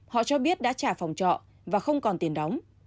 họ cho biết đã trả phòng trọ và không còn tiền đóng